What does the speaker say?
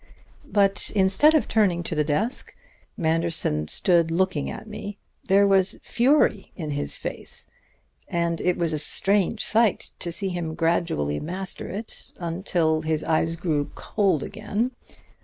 "But instead of turning to the desk, Manderson stood looking at me. There was fury in his face, and it was a strange sight to see him gradually master it until his eyes grew cold again.